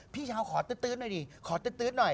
พี่เช้าขอตื๊ดหน่อยดิขอตื๊ดหน่อย